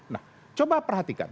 nah coba perhatikan